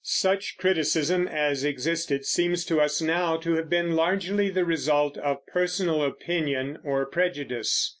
Such criticism as existed seems to us now to have been largely the result of personal opinion or prejudice.